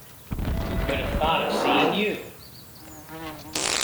Who could have thought of seeing you!